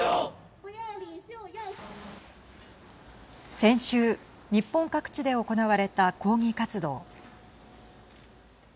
先週、日本各地で行われた抗議活動。